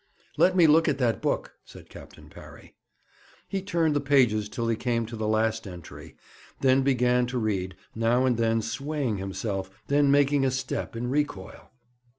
'Let me look at that book,' said Captain Parry. He turned the pages till he came to the last entry, then began to read, now and then swaying himself, then making a step in recoil.